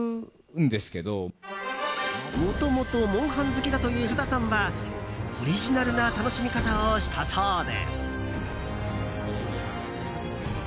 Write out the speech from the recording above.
もともと「モンハン」好きだという菅田さんはオリジナルな楽しみ方をしたそうで。